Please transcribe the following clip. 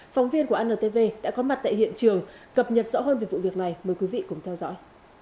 phóng viên của antv đã có mặt tại hiện trường cập nhật rõ hơn về vụ việc này mời quý vị cùng theo dõi